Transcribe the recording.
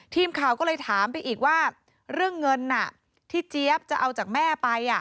ทีมข่าวก็เลยถามไปอีกว่าเรื่องเงินที่เจี๊ยบจะเอาจากแม่ไป